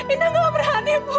ina tidak berani ibu